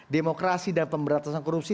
demokrasi dan pemberantasan korupsi